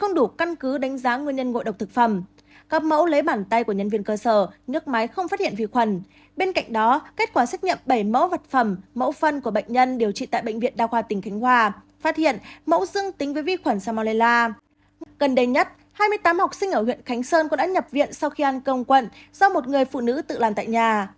gần đây nhất hai mươi tám học sinh ở huyện khánh sơn cũng đã nhập viện sau khi ăn cơm quận do một người phụ nữ tự làm tại nhà